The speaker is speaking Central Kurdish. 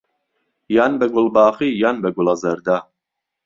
یان به گوڵباخی یان به گوڵهزهرده